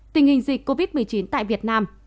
tình hình dịch covid một mươi chín